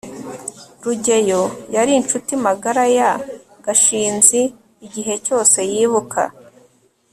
rugeyo yari inshuti magara ya gashinzi igihe cyose yibuka